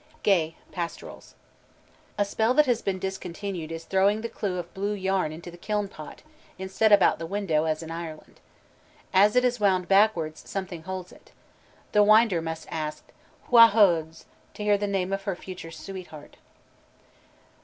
'" GAY: Pastorals. A spell that has been discontinued is throwing the clue of blue yarn into the kiln pot, instead of out of the window, as in Ireland. As it is wound backward, something holds it. The winder must ask, "Wha hauds?" to hear the name of her future sweetheart.